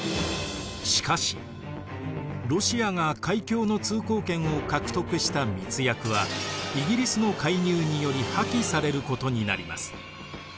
しかしロシアが海峡の通行権を獲得した密約はイギリスの介入により破棄されることになります。